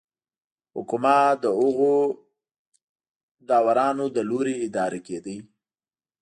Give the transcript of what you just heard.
حکومت د هغو داورانو له لوري اداره کېده